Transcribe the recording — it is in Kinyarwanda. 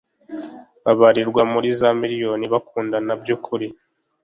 babarirwa muri za miriyoni bakundana by ukuri